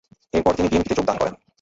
এর পর তিনি বিএনপিতে যোগদান করেন।